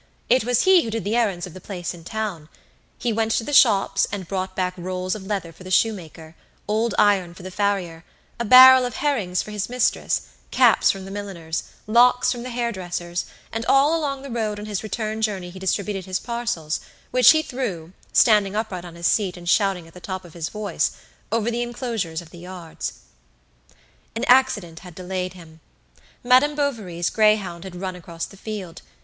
It was he who did the errands of the place in town. He went to the shops and brought back rolls of leather for the shoemaker, old iron for the farrier, a barrel of herrings for his mistress, caps from the milliner's, locks from the hair dresser's and all along the road on his return journey he distributed his parcels, which he threw, standing upright on his seat and shouting at the top of his voice, over the enclosures of the yards. An accident had delayed him. Madame Bovary's greyhound had run across the field.